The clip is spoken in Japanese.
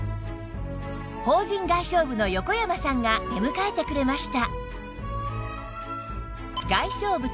法人外商部の横山さんが出迎えてくれました